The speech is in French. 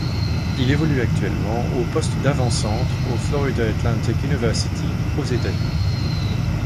Il évolue actuellement au poste d'avant-centre au Florida Atlantic University aux États-Unis.